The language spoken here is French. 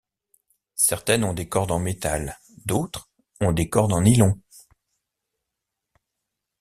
Certaines ont des cordes en métal, d'autre ont des cordes en nylon.